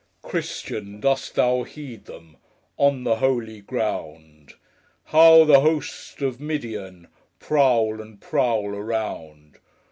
Christian, dost thou heed them, On the holy ground, How the hosts of Mid i an, Prowl and prowl around!